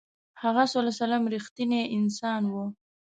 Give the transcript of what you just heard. هغه ﷺ رښتینی انسان و.